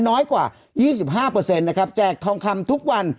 น้อยกว่า๒๕นะครับแจกทองคำทุกวัน